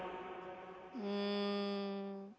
うん。